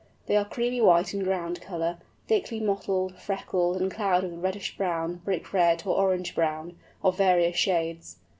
They are creamy white in ground colour, thickly mottled, freckled, and clouded with reddish brown, brick red, or orange brown, of various shades.